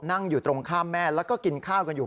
นั่งอยู่ตรงข้ามแม่แล้วก็กินข้าวกันอยู่